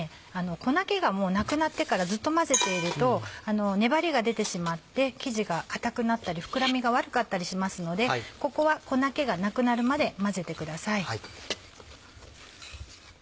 粉気がなくなってからずっと混ぜていると粘りが出てしまって生地が硬くなったり膨らみが悪かったりしますのでここは粉気がなくなるまで混ぜてください。